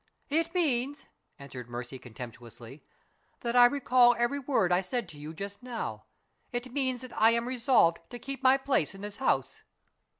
"It means," answered Mercy, contemptuously, "that I recall every word I said to you just now. It means that I am resolved to keep my place in this house."